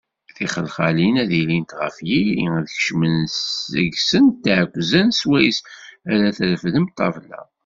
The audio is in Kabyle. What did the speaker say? Tixelxalin ad ilint ɣef yiri, ad kecmen deg-sent iɛekkzan swayes ara treffdem ṭṭabla.